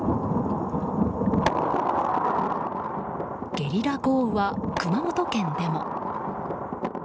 ゲリラ豪雨は熊本県でも。